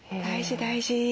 大事大事。